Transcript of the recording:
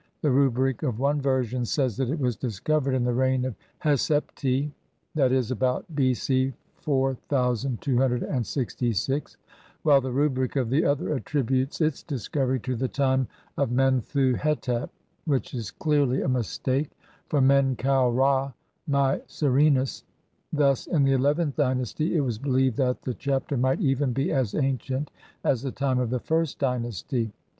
The rubric of one version says that it was discovered in the reign of Hesep ti, i. <?., about B. C. 4266, while the rubric of the other attributes its discovery to the time of Menthu hetep, which is clearly a mistake for Men kau Ra (Mycerinus). Thus in the Xlth dynasty it was believed that the Chapter might even be as ancient as the time of the 1st dynasty.